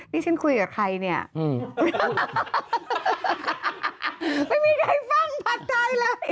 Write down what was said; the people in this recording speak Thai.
นี่ฉันคุยกับใครเนี่ยไม่มีใครฟังผัดไทยเลย